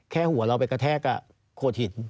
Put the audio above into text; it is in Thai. แค่หัวเราไปกระแทกกับโคทิศ